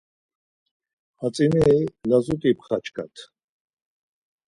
Hatzineris lazut̆i pxaçkat.